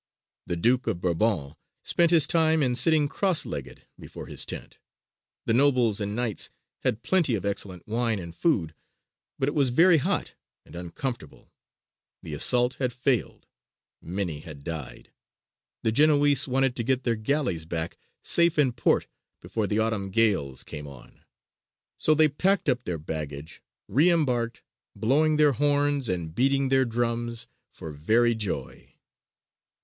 The Duke of Bourbon spent his time in sitting crosslegged before his tent; the nobles and knights had plenty of excellent wine and food; but it was very hot and uncomfortable the assault had failed many had died the Genoese wanted to get their galleys back safe in port before the autumn gales came on; so they packed up their baggage, and re embarked, blowing their horns and beating their drums for very joy.